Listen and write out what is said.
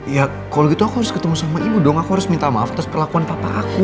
ya kalau gitu aku harus ketemu sama ibu dong aku harus minta maaf atas perlakuan papa aku